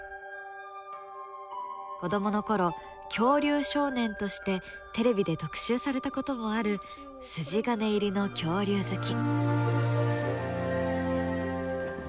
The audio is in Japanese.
子どもの頃恐竜少年としてテレビで特集されたこともある筋金入りの恐竜好き。